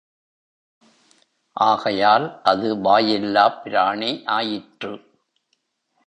ஆகையால் அது வாயில்லாப் பிராணி ஆயிற்று.